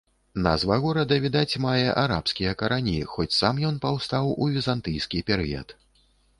Назва горада, відаць, мае арабскія карані, хоць сам ён паўстаў у візантыйскі перыяд.